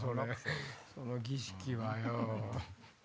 その儀式はよ。